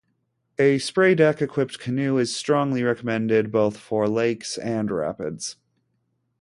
A spraydeck-equipped canoe is strongly recommended both for lakes and rapids.